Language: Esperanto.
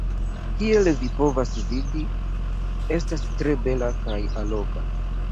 Kiel vi povas vidi, estas tre bela kaj alloga.